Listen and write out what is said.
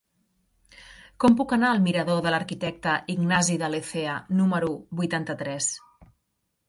Com puc anar al mirador de l'Arquitecte Ignasi de Lecea número vuitanta-tres?